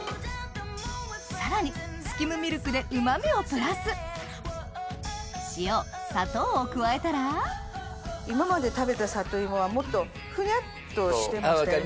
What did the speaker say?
さらにスキムミルクでうま味をプラス塩砂糖を加えたら今まで食べた里芋はもっとふにゃっとしてましたね。